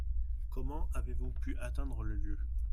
Comment avez-vous pu atteindre le lieu ?